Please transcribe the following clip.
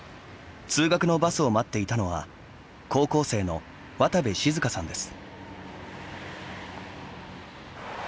通学のバスを待っていたのは高校生の渡部静華さんです。